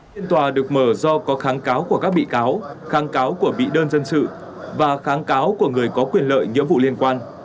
phiên tòa được mở do có kháng cáo của các bị cáo kháng cáo của bị đơn dân sự và kháng cáo của người có quyền lợi nghĩa vụ liên quan